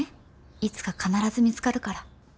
いつか必ず見つかるから。